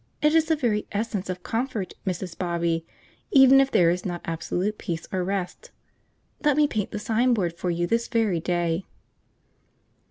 It is the very essence of comfort, Mrs. Bobby, even if there is not absolute peace or rest. Let me paint the signboard for you this very day."